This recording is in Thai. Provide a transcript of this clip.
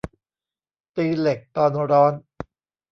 ตีเหล็กตอนร้อน